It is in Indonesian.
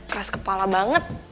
keras kepala banget